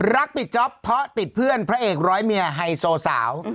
ปิดจ๊อปเพราะติดเพื่อนพระเอกร้อยเมียไฮโซสาว